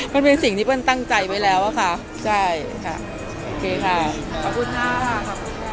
มันเป็นสิ่งที่เปิ้ลตั้งใจไว้แล้วอะค่ะใช่ค่ะโอเคค่ะขอบคุณค่ะขอบคุณค่ะ